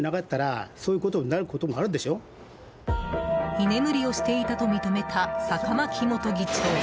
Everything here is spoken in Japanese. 居眠りをしていたと認めた坂巻元議長。